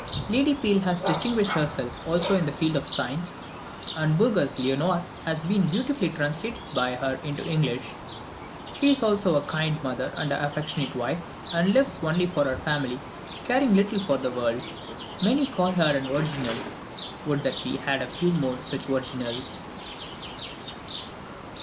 Lady Peel has distinguished herself also in the field of science, and Burger's "Leonore" has been beautifully translated by her into English. She is also a kind mother and affectionate wife, and lives only for her family, caring little for the world. Many call her an original; would that we had a few more such originals!